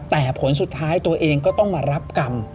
แต่ผลสุดท้ายตัวเองก็ต้องมารับกรรม